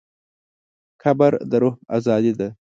قبر د روح ازادي ده.